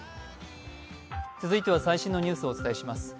続いては最新のニュースをお伝えします。